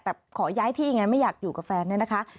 แต่ขอย้ายที่ไงไม่อยากอยู่กับแฟนเนี่ยนะคะ